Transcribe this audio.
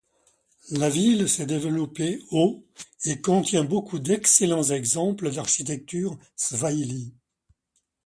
La ville s'est développée au et contient beaucoup d'excellents exemples d'architecture swahilie.